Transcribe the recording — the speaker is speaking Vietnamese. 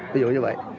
ví dụ như vậy